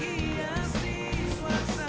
beda dari gue aja